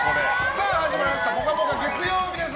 始まりました「ぽかぽか」月曜日です。